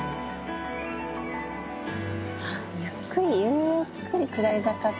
ゆっくりゆっくり下り坂。